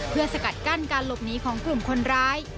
เพื่อสกัดกั้นการหลบหนีของกลุ่มคนร้าย